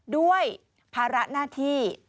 ด้วยภาระหน้าที่